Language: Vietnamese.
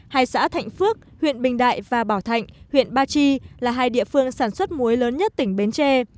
hai xã thạnh phước huyện bình đại và bảo thạnh huyện ba chi là hai địa phương sản xuất muối lớn nhất tỉnh bến tre